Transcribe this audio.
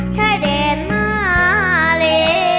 ใช้เดหน้าเล